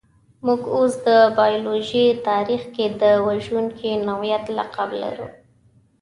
موږ اوس د بایولوژۍ تاریخ کې د وژونکي نوعې لقب لرو.